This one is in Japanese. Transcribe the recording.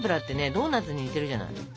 ドーナツに似てるじゃない。